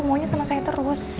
maunya sama saya terus